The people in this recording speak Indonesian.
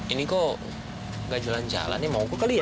ini kok gak jalan jalan ini mau gue kali ya